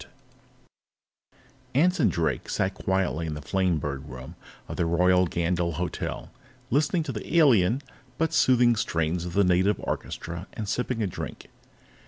_ Anson Drake sat quietly in the Flamebird Room of the Royal Gandyll Hotel, listening to the alien, but soothing strains of the native orchestra and sipping a drink.